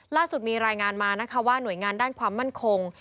ล่าสุดมีรายงานมานะคะว่าหน่วยงานด้านความมั่นคง